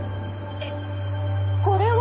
えっこれは！